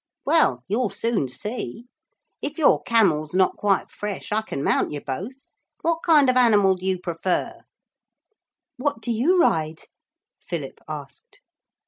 Well, you'll soon see. If your camel's not quite fresh I can mount you both. What kind of animal do you prefer?' 'What do you ride?' Philip asked.